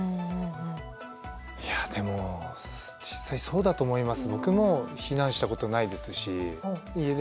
いやでも実際そうだと思います。